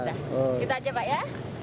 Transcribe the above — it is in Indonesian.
nggak ada kita aja pak ya